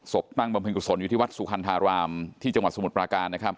ศพนั่งบำพึงกุศลอยู่ที่วัดสุคัณธารามที่จังหวัดสมุทรปลาการ